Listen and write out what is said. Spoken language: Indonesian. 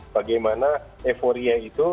bagaimana euforia itu